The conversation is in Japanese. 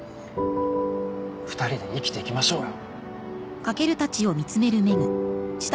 ２人で生きていきましょうよ。